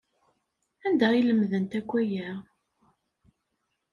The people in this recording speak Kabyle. Anda ay lemdent akk aya?